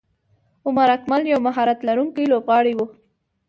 عمر اکمل یو مهارت لرونکی لوبغاړی وو.